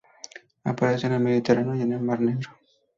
Aparece en el Mediterráneo y en el Mar Negro.